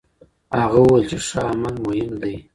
هغه وويل چي ښه عمل مهم دی.